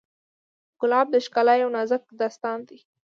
ګلاب د ښکلا یو نازک داستان دی.